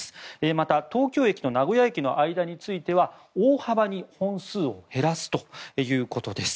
また東京駅と名古屋駅の間については大幅に本数を減らすということです。